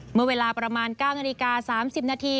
เมื่อเวลาประมาณ๙นาฬิกา๓๐นาที